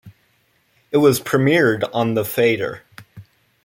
It was premiered on The Fader.